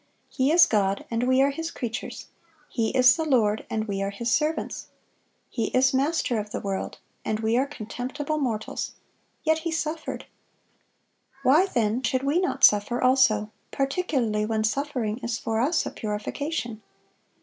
He is God, and we are His creatures; He is the Lord, and we are His servants; He is Master of the world, and we are contemptible mortals:—yet He suffered! Why, then, should we not suffer also, particularly when suffering is for us a purification?